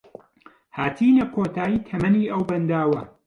هاتینە کۆتایی تەمەنی ئەو بەنداوە